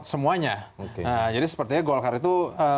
semuanya jadi sepertinya golkar itu